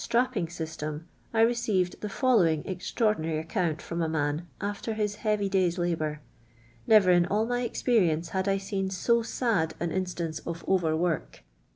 ^^■((^/;»//;«/" system I received the lolli>\ving extraordinary account from a man after his heavy day's labo'ur. Never in all my experience had I seen so s;id an instance of over work.